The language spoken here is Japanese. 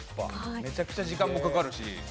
めちゃくちゃ時間もかかるし。